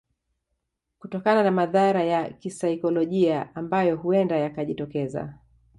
Kutokana na madhara ya kisaikolojia ambayo huenda yakajitokeza